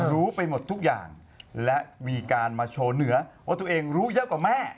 รู้ไปหมดทุกอย่างและมีการมาโชว์เหนือว่าตัวเองรู้เยอะกว่าแม่